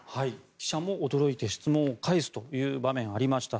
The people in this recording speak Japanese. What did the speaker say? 記者も驚いて質問を返すという場面がありました。